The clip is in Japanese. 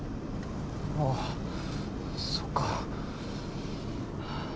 ああそっかはぁ。